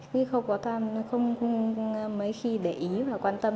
khi không có tham không mấy khi để ý và quan tâm